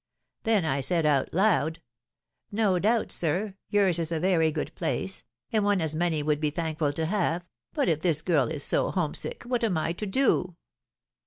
Then I said out loud, 'No doubt, sir, yours is a very good place, and one as many would be thankful to have, but if this girl is so homesick, what am I to do?'